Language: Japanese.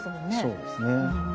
そうですね。